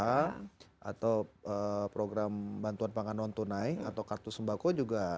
atau program bantuan pangan non tunai atau kartu sembako juga